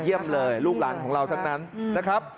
เยี่ยมเลยลูกหลานของเราทั้งนั้นนะครับ